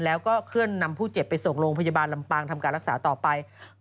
แล้วก็เคลื่อนนำผู้เจ็บไปส่งโรงพยาบาลลำปางทำการรักษาต่อไป